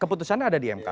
keputusan ada di mk